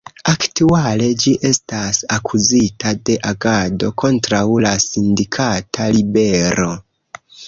Aktuale ĝi estas akuzita de agado kontraŭ la sindikata libero.